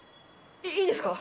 いいですか？